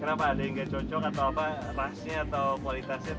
kenapa ada yang gak cocok atau apa rasnya atau kualitasnya